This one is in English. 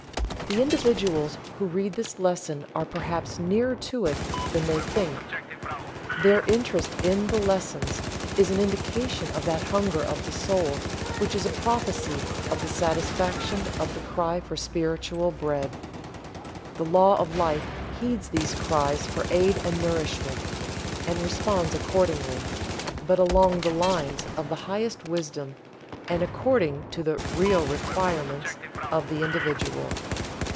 The individuals who read this lesson are perhaps nearer to it than they think; their interest in the lessons is an indication of that hunger of the soul which is a prophecy of the satisfaction of the cry for spiritual bread. The Law of Life heeds these cries for aid and nourishment and responds accordingly, but along the lines of the highest wisdom and according to the real requirements of the individual.